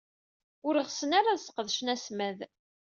Ur ɣsen ara ad sqedcen asmad.